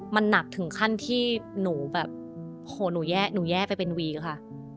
มันหนักถึงขั้นที่หนูแย่ไปเป็นวีค่ะ